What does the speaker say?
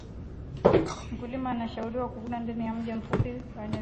mkulima anshauriwa kuvuna ndani ya mda mfupi baada ya viazi kukomaa